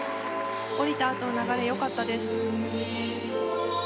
降りたあとの流れよかったです。